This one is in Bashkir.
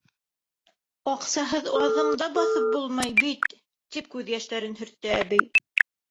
Аҡсаһыҙ аҙым да баҫып булмай бит, — тип күҙ йәштәрен һөрттө әбей.